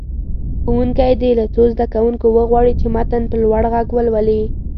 ښوونکی دې له څو زده کوونکو وغواړي چې متن په لوړ غږ ولولي.